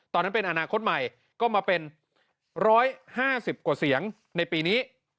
ตอนนั้นเป็นอนาคตใหม่ก็มาเป็น๑๕๐กว่าเสียงในปีนี้